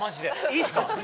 いいっすか？